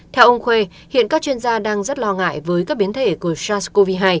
theo ông khuê hiện các chuyên gia đang rất lo ngại với các biến thể của sars cov hai